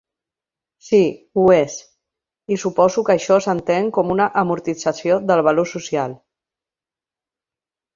Si, ho és... I suposo que això s'entén com una amortització del valor social.